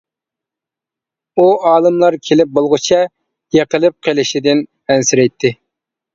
ئۇ ئالىملار كېلىپ بولغۇچە، يېقىلىپ قېلىشىدىن ئەنسىرەيتتى.